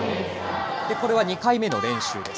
これは２回目の練習です。